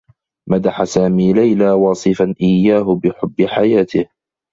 مدح سامي ليلى واصفا إيّاه بحبّ حياته.